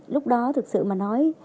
lúc đó thực sự mà nói